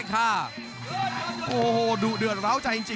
รับทราบบรรดาศักดิ์